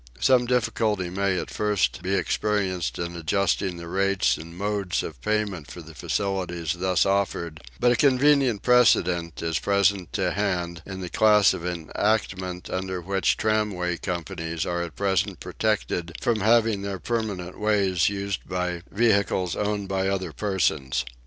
Some difficulty may at first be experienced in adjusting the rates and modes of payment for the facilities thus offered; but a convenient precedent is present to hand in the class of enactment under which tramway companies are at present protected from having their permanent ways used by vehicles owned by other persons.